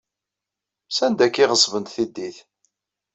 Sanda akka ay ɣeṣbent tiddit?